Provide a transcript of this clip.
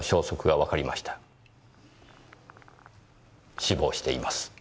死亡しています。